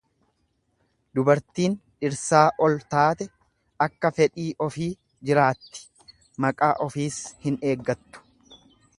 Dubartiin dhirsaa ol taate akka fedhii ofii jiraatti maqaa ofiis hin eeggattu.